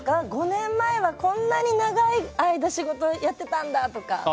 ５年前はこんなに長い間仕事やってたんだとか。